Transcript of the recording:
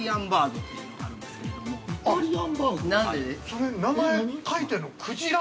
◆それ、名前書いているのくじら！？